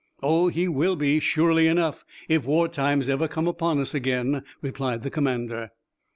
"Oh, he will be, surely enough, if war times ever come upon us again," replied the commander.